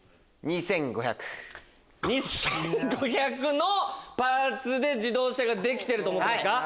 ２５００のパーツで自動車ができてると思ってる？